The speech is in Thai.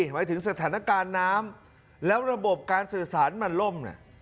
หมายถึงสถานการณ์น้ำแล้วระบบการสื่อสารมันล่ม